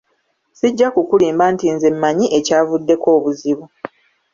Sijja kukulimba nti nze mmanyi ekyavuddeko obuzibu!